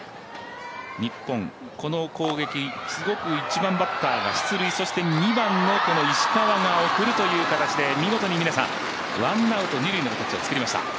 日本、この攻撃１番バッターが出塁、そして２番の石川が送るという形で見事にワンアウト二塁の形を作りました。